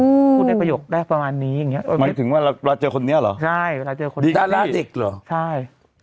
พูดได้ประโยคแรกประมาณนี้อย่างเงี้เออหมายถึงว่าเวลาเจอคนนี้เหรอใช่เวลาเจอคนนี้ดาราเด็กเหรอใช่